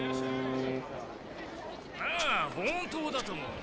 ああ本当だとも。